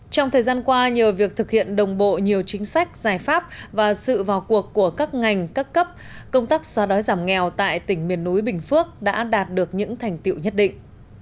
trong thời gian qua nhờ việc thực hiện đồng bộ nhiều chính sách giải pháp và sự vào cuộc của các ngành các cấp công tác xóa đói giảm nghèo tại tỉnh miền núi bình phước đã đạt được những thành tiệu nhất định